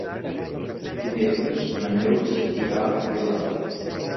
Dimecres na Neus irà a Vilada.